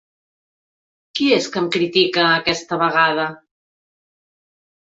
Qui és que em critica, aquesta vegada?